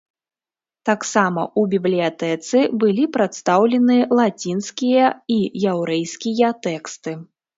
Таксама ў бібліятэцы былі прадстаўлены лацінскія і яўрэйскія тэксты.